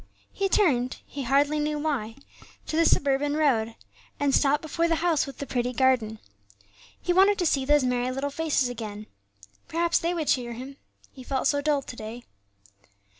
He turned, he hardly knew why, to the suburban road, and stopped before the house with the pretty garden. He wanted to see those merry little faces again, perhaps they would cheer him; he felt so very dull to day.